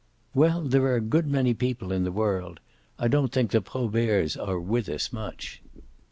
"Well, there are a good many people in the world. I don't think the Proberts are with us much."